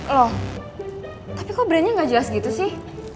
loh tapi kok brandnya nggak jelas gitu sih